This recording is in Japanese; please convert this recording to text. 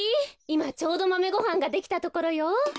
いまちょうどマメごはんができたところよ。